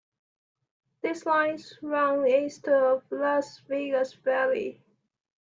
These lines run east of Las Vegas Valley.